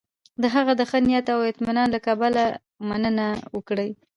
د هغه د ښه نیت او اطمینان له کبله مننه وکړي.